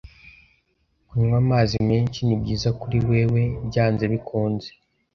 Kunywa amazi menshi nibyiza kuri wewe, byanze bikunze,